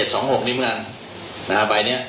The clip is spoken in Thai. เดี๋ยวไอ้ชุดเดี๋ยวเนี่ยก็มาอยู่ที่แม่ค้าแผงที่สี่นะครับ